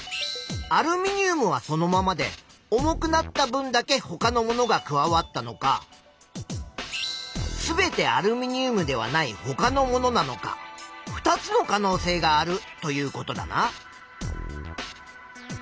アルミニウムはそのままで重くなった分だけほかのものが加わったのかすべてアルミニウムではないほかのものなのか２つの可能性があるということだな。